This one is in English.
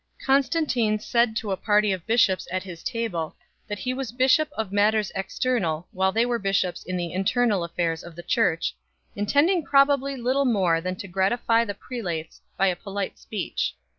Constant ine said to a party of bishops at his table, that he was bishop of matters external, while they were bishops in the internal affairs of the Church 1 , intending probably little more than to gratify the prelates by a polite speech.